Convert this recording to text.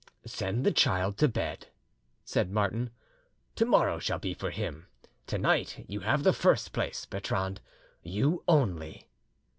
"Send the child to bed," said Martin. "Tomorrow shall be for him; to night you have the first place, Bertrande, you only."